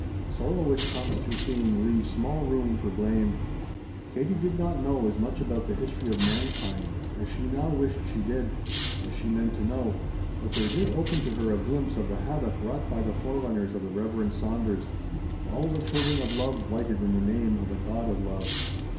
Sorrow which comes through seeing leaves small room for blame. Katie did not know as much about the history of mankind as she now wished she did as she meant to know! but there did open to her a glimpse of the havoc wrought by the forerunners of the Reverend Saunders of all the children of love blighted in the name of a God of love.